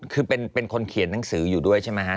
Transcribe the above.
คือเป็นคนเขียนหนังสืออยู่ด้วยใช่ไหมครับ